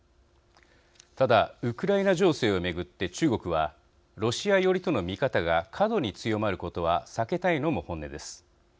ただウクライナ情勢を巡って中国は、ロシア寄りとの見方が過度に強まることは避けたいのも本音です。